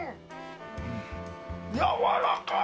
やわらかい。